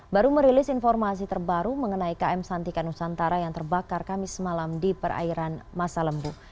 baru merilis informasi terbaru mengenai km santika nusantara yang terbakar kamis malam di perairan masa lembu